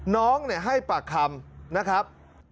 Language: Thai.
น้องให้ปากคำนะครับ